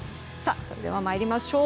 それでは参りましょう。